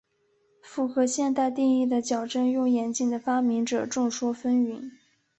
符合现代定义的矫正用眼镜的发明者众说纷纭。